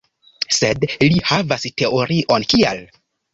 Sed li havas teorion kial.